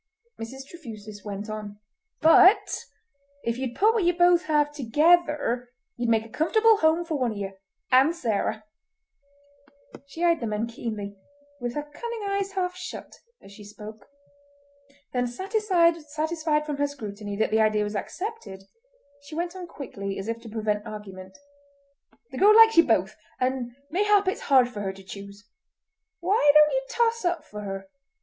Mrs. Trefusis went on: "But if ye'd put what ye both have together ye'd make a comfortable home for one of ye—and Sarah!" She eyed the men keenly, with her cunning eyes half shut, as she spoke; then satisfied from her scrutiny that the idea was accepted she went on quickly, as if to prevent argument: "The girl likes ye both, and mayhap it's hard for her to choose. Why don't ye toss up for her?